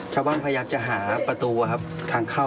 ชาวบ้านพยายามจะหาประตูทางเข้า